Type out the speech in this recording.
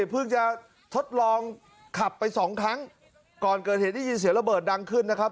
เพิ่งจะทดลองขับไปสองครั้งก่อนเกิดเหตุได้ยินเสียงระเบิดดังขึ้นนะครับ